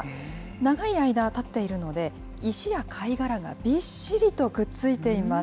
長い間たっているので、石や貝殻がびっしりとくっついています。